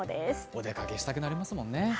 お出かけしたくなりますもんね。